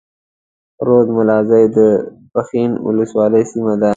رود ملازۍ د پښين اولسوالۍ سيمه ده.